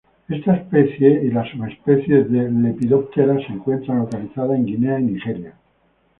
Esta especie y las subespecies de Lepidoptera se encuentran localizadas en Guinea y Nigeria.